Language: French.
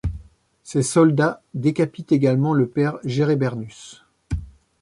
Ses soldats décapitent également le Père Gerebernus.